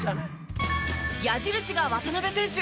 矢印が渡邊選手。